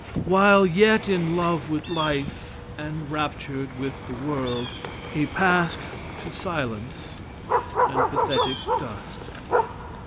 While yet in love with life and raptured with the world, he passed to silence and pathetic dust.